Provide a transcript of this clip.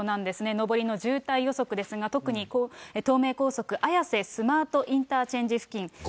上りの渋滞予測ですが、特に東名高速、綾瀬スマートインターチェンジ付近。